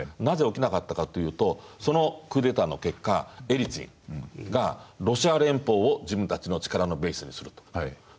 なぜ起きなかったかというとそのクーデターの結果エリツィンがロシア連邦を自分たちの力のベースにすると。